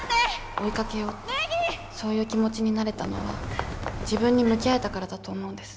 追いかけようってそういう気持ちになれたのは自分に向き合えたからだと思うんです。